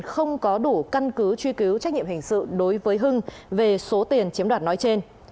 không có đủ căn cứ truy cứu trách nhiệm hình sự đối với hưng về số tiền chiếm đoạt nói trên